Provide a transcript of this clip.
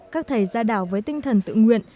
các thầy ra đảo với tinh thần tự nguyện